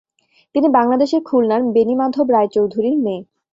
তিনি বাংলাদেশের খুলনার বেণীমাধব রায়চৌধুরীর মেয়ে।